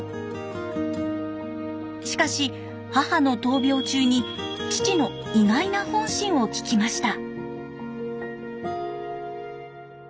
しかし母の闘病中に父の意外な本心を聞きました。